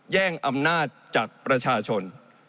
แย่งอำนาจจากประชาชน